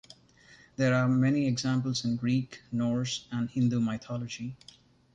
There are many examples in Greek, Norse, and Hindu mythology.